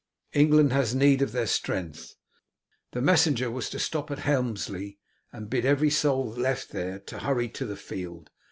England has need of their strength. The messenger was to stop at Helmsley, and bid every soul left there to hurry to the field.